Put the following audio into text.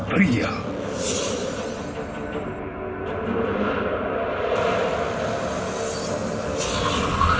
dan kekuatan anti satria